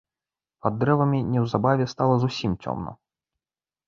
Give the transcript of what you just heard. Пад дрэвамі неўзабаве стала зусім цёмна.